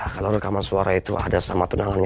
kalau rekaman suara itu ada sama tunangannya